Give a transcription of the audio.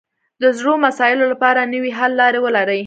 د زړو مسایلو لپاره نوې حل لارې ولري